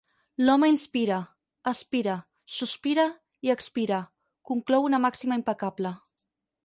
«L'home inspira, aspira, sospira i expira», conclou una màxima impecable.